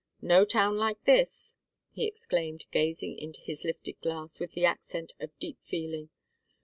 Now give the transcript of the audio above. No town like this!" he exclaimed, gazing into his lifted glass and with the accent of deep feeling.